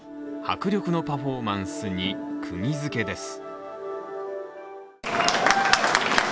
迫力のパフォーマンスに、くぎづけです。